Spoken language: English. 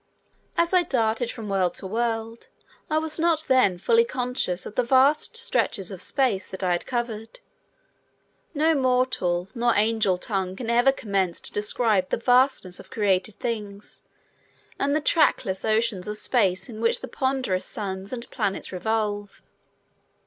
As I darted from world to world, I was not then fully conscious of the vast stretches of space that I had covered. No mortal nor angel tongue can even commence to describe the vastness of created things and the trackless oceans of space in which the ponderous suns and planets revolve.